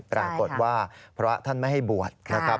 ปรากฏว่าพระท่านไม่ให้บวชนะครับ